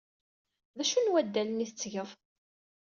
D acu n waddalen ay tettgeḍ?